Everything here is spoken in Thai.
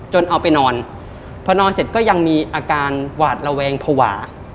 เอาไปนอนพอนอนเสร็จก็ยังมีอาการหวาดระแวงภาวะ